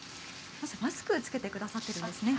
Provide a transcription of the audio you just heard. マスクを着けてくださっているんですね。